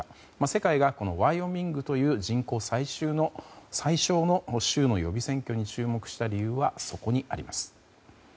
世界がワイオミングという人口最小の州の予備選挙に注目した理由はそこにあります。